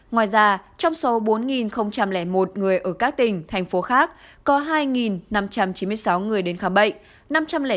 ngoài ra trong số bốn một người ở các tỉnh thành phố khác có hai năm trăm chín mươi sáu người đến khám bệnh